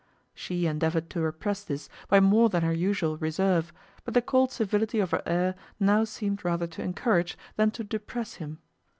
She endeavoured to repress this by more than her usual reserve, but the cold civility of her air now seemed rather to encourage than to depress him.